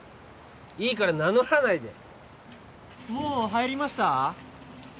いいから名乗らないでもう入りました？